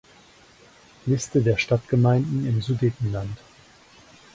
Liste der Stadtgemeinden im Sudetenland